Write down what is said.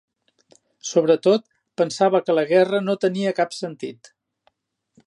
Sobretot, pensava que la guerra no tenia cap sentit.